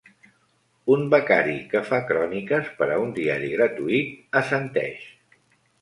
Un becari que fa cròniques per a un diari gratuït assenteix.